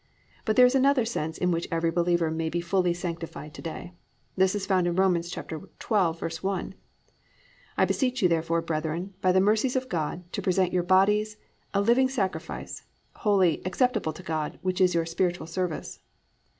But there is another sense in which every believer may be fully sanctified to day. This is found in Rom. 12:1, +"I beseech you therefore, brethren, by the mercies of God, to present your bodies a living sacrifice, holy, acceptable to God, which is your spiritual service."